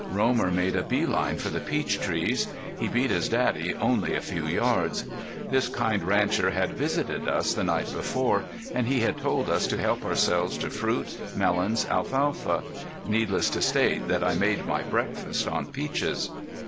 Romer made a bee line for the peach trees. He beat his daddy only a few yards. The kind rancher had visited us the night before and he had told us to help ourselves to fruit, melons, alfalfa. Needless to state that I made my breakfast on peaches!